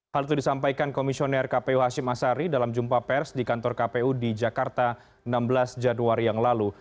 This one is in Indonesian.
hal itu disampaikan komisioner kpu hashim asari dalam jumpa pers di kantor kpu di jakarta enam belas januari yang lalu